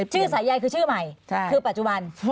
สายใยคือชื่อใหม่คือปัจจุบัน